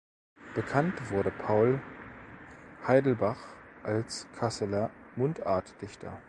Bekannt wurde Paul Heidelbach als Kasseler Mundartdichter.